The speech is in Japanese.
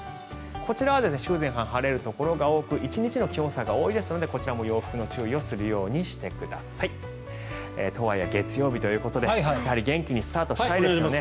こちらは週前半晴れるところが多く１日の気温差が大きいですのでこちらも洋服の注意をするようにしてください。とはいえ月曜日ということで元気にスタートしたいですよね。